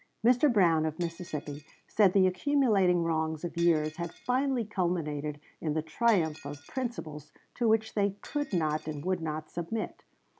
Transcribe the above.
Mr. Brown, of Mississippi, said the accumulating wrongs of years had finally culminated in the triumph of principles to which they could not and would not submit.